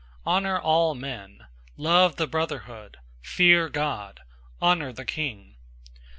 002:017 Honor all men. Love the brotherhood. Fear God. Honor the king.